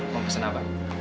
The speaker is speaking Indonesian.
mau pesen apa